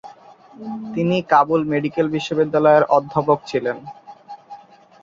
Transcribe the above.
তিনি কাবুল মেডিকেল বিশ্ববিদ্যালয়ের অধ্যাপক ছিলেন।